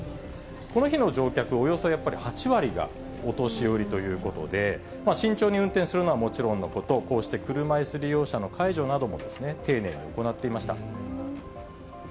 この日の乗客、およそやっぱり８割がお年寄りということで、慎重に運転するのはもちろんのこと、こうして車いす利用者の介助なども丁寧に行っていました。